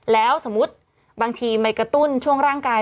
แล้วสมมุติบางทีไปกระตุ้นช่วงร่างกาย